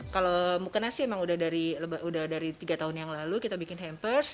kalau mukena sih emang udah dari tiga tahun yang lalu kita bikin hampers